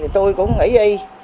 tôi cũng nghĩ đi